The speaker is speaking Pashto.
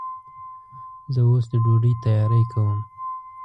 زه اوس د ډوډۍ تیاری کوم.